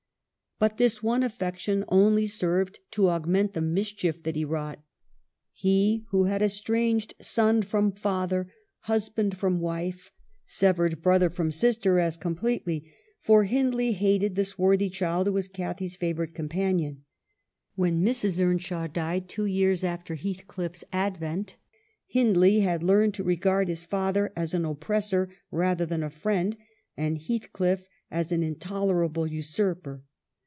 But this one affection only served to augment the mischief that he wrought. He who had estranged son from father, husband from wife, severed brother from sister as completely ; for Hindley hated the swarthy child who was Cathy's favorite companion. When Mrs. Earnshaw died, two years after Heathcliff's advent, Hindley had learned to regard his father as an oppressor rather than a friend, and Heathcliff as an intolerable usurper.